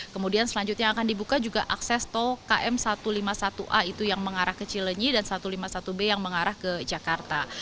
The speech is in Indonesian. kemudian selanjutnya akan dibuka juga akses tol km satu ratus lima puluh satu a itu yang mengarah ke cilenyi dan satu ratus lima puluh satu b yang mengarah ke jakarta